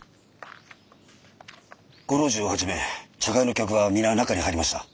ご老中をはじめ茶会の客は皆中に入りました。